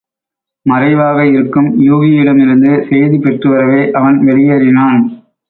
மறைவாக இருக்கும் யூகியிடமிருந்து செய்தி பெற்று வரவே அவன் வெளியேறினான்.